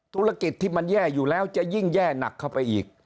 ธุรกิจที่มันแย่อยู่แล้วจะยิ่งแย่หนักเข้าไปอีก